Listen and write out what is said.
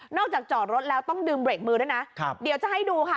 จากจอดรถแล้วต้องดึงเบรกมือด้วยนะเดี๋ยวจะให้ดูค่ะ